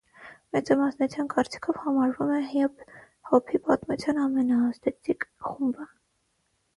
Մեծամասնության կարծիքով համարվում է հիփ հոփի պատմության ամենաազդեցիկ խումբը։